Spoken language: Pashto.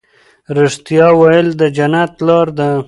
رښتیا ویل د جنت لار ده.